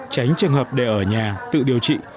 tránh trường hợp để ở nhà tự điều trị